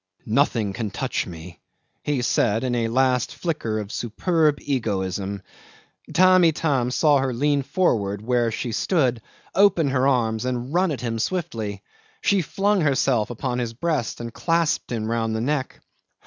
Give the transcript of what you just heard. "Nothing can touch me," he said in a last flicker of superb egoism. Tamb' Itam saw her lean forward where she stood, open her arms, and run at him swiftly. She flung herself upon his breast and clasped him round the neck.